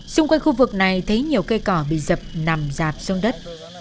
xung quanh khu vực này thấy nhiều cây cỏ bị dập nằm dạt xuống đất